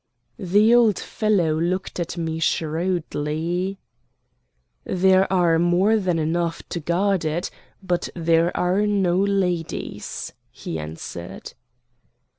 The old fellow looked at me shrewdly. "There are more than enough to guard it; but there are no ladies," he answered.